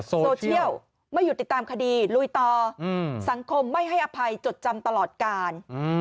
โซเชียลไม่หยุดติดตามคดีลุยต่อสังคมไม่ให้อภัยจดจำตลอดการ